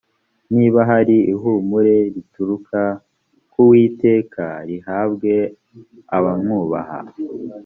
niba hari ihumure rituruka ku witeka rihabwe abamwubaha